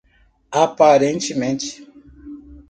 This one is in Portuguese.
Aparentemente